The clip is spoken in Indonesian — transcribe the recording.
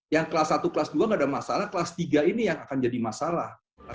yang kelas satu kelas dua gak ada masalah kelas tiga ini yang akan jadi masalah